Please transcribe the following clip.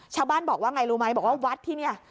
ชาวบ้านบอกว่าไงรู้ไหมบอกว่าวัดที่นี่